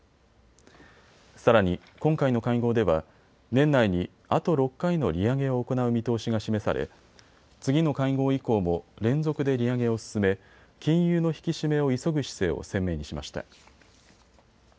さらに今回の会合では年内にあと６回の利上げを行う見通しが示され次の会合以降も連続で利上げを進め金融の引き締めを急ぐ姿勢を鮮明にしました。